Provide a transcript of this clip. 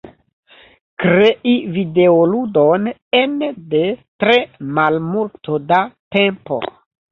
Krei videoludon ene de tre malmulto da tempo.